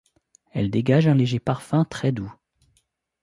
Elles dégagent un léger parfum très doux.